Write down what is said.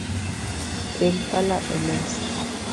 Kel pala emesa